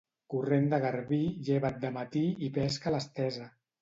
Corrent de garbí, lleva't de matí i pesca a l'estesa.